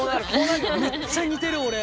めっちゃ似てる俺。